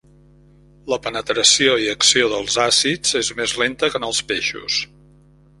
La penetració i acció dels àcids és més lenta que en els peixos.